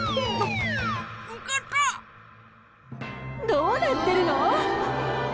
どうなってるの？